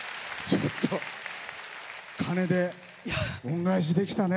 ちょっと鐘で恩返しできたね。